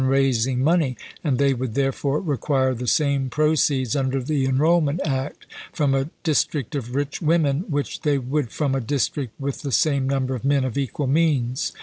raising money, and they would therefore require the same proceeds, under the enrollment act, from a district of rich women which they would from a district with the same number of men of equal means.